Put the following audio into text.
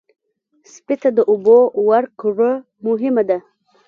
سپي ته د اوبو ورکړه مهمه ده.